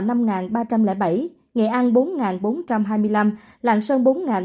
nghệ an bốn bốn trăm hai mươi năm làng sơn bốn bốn trăm linh tám